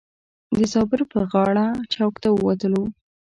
د زابر پر غاړه چوک ته ووتلو.